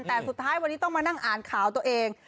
แต่สุดท้ายวันนี้ต้องมานั่งอ่านข่าวตัวเอง